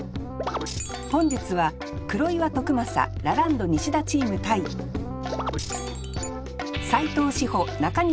本日は黒岩徳将ラランドニシダチーム対斉藤志歩中西